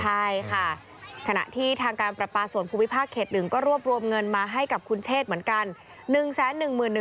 ใช่ค่ะขณะที่ทางการประปาส่วนภูมิภาคเขต๑ก็รวบรวมเงินมาให้กับคุณเชษเหมือนกัน